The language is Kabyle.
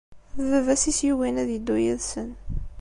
D baba-s i as-yugin ad iddu yid-sen.